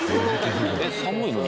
寒いのに？